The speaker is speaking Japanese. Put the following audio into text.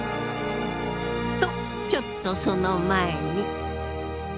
とちょっとその前に。